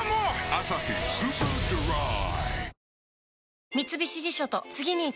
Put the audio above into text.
「アサヒスーパードライ」